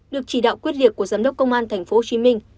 được chỉ đạo quyết liệt của giám đốc công an tp hồ chí minh